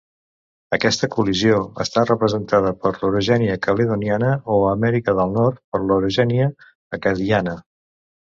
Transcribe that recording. Aquesta col·lisió està representada per l'orogènia caledoniana o a Amèrica del nord per l'orogènia acadiana.